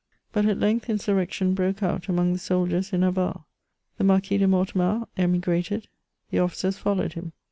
But at length insurrection broke out among the soldiers in Navarre. The Marquis de Mortemart emig^ted ; the officers followed him.